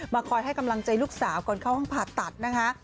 คอยให้กำลังใจลูกสาวก่อนเข้าห้องผ่าตัดนะคะ